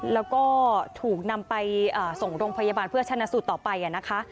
แล้วก็ถูกนำไปส่งโรงพยาบาลเพื่อชนะสูตรต่อไปนะคะ